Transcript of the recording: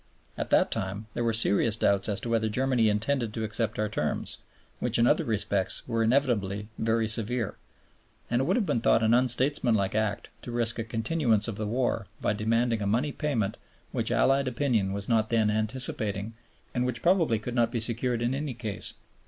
At that time there were serious doubts as to whether Germany intended to accept our terms, which in other respects were inevitably very severe, and it would have been thought an unstatesmanlike act to risk a continuance of the war by demanding a money payment which Allied opinion was not then anticipating and which probably could not be secured in any case.